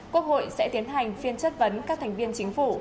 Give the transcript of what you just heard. quốc hội sẽ tiến hành phiên chất vấn các thành viên chính phủ